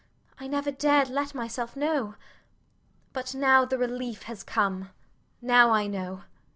I never dared let myself know. But now the relief has come: now I know.